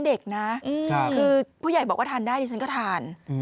แต่ตอนนั้นเด็กนะคือผู้ใหญ่บอกว่าทานได้ฉันก็ทาน